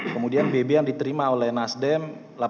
kemudian bb yang diterima oleh nasdem delapan ratus